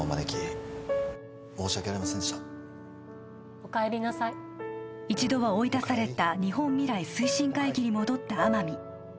おかえりなさい一度は追い出された日本未来推進会議に戻った天海